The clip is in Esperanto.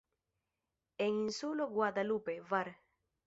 En Insulo Guadalupe, var.